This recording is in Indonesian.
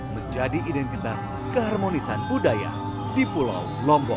menjadi identitas keharmonisan budaya di pulau lombok